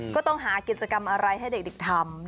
ก็ต้องหากิจกรรมอะไรให้เด็กทำ